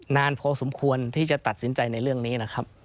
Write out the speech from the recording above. นานพอสมควรที่จะตัดสินใจในเรื่องนี้นะครับ